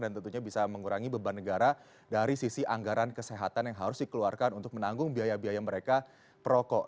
dan tentunya bisa mengurangi beban negara dari sisi anggaran kesehatan yang harus dikeluarkan untuk menanggung biaya biaya mereka perokok